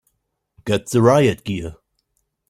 Get the riot gear!